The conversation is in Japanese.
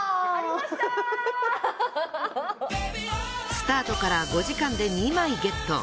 スタートから５時間で２枚ゲット。